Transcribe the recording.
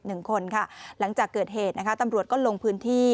หลังจากเกิดเหตุรถกลงพื้นที่